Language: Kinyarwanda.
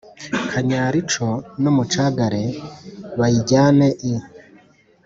kanyare ico n'umucagare/ bayijyane• i